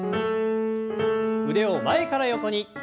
腕を前から横に。